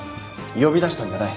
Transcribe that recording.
呼び出したんじゃない。